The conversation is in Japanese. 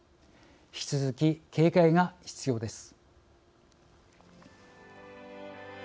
引き続き警戒が必要です。